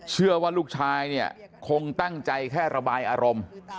เชื่อว่าลูกชายเนี่ยคงตั้งใจแค่ระบายอารมณ์